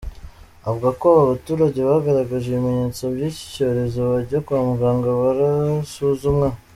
Avuga ko aba baturage bagaragaje ibimenyetso by’iki cyorezo bajya kwa muganga barasuzumwa.